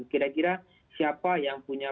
kira kira siapa yang punya